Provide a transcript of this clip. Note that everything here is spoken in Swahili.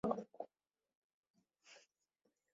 wakati huo huo vikidai kwamba vinahudumia wananchi